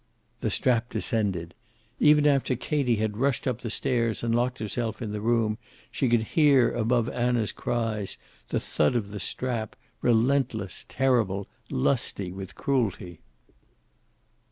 The strap descended. Even after Katie had rushed up the stairs and locked herself in the room, she could hear, above Anna's cries, the thud of the strap, relentless, terrible, lusty with cruelty.